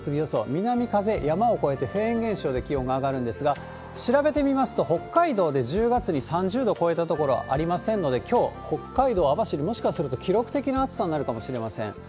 南風、山を越えてフェーン現象で気温が上がるんですが、調べてみますと北海道で１０月に３０度超えた所ありませんので、きょう、北海道網走、もしかすると記録的な暑さになるかもしれません。